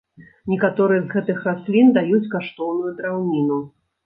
Некаторыя з гэтых раслін даюць каштоўную драўніну.